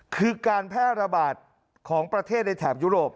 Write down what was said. คือการแพร่ระบาดของประเทศในแถบยุโรป